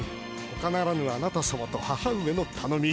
ほかならぬあなた様と母上のたのみ。